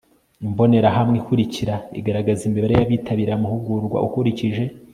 Imbonerahamwe ikurikira igaragaza imibare y abitabiriye amahugurwa ukurikije